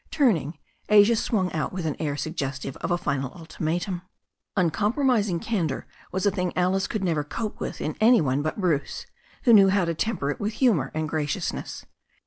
Turning, Asia swung out with an air suggestive of a final ultimatum. Uncompromising candour was a thing Alice never could cope with in any one but Bruce, who knew how to temper it with humour and graciousness.